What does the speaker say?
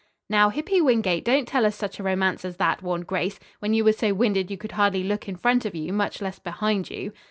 "Now, Hippy Wingate, don't tell us such a romance as that," warned Grace, "when you were so winded you could hardly look in front of you, much less behind you."